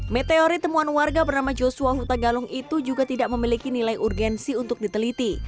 meteorit temuan warga bernama joshua hutagalung itu juga tidak memiliki nilai urgensi untuk diteliti